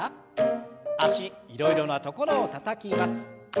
脚いろいろなところをたたきます。